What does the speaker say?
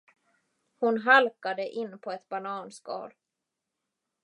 Hon halkade in på ett bananskal.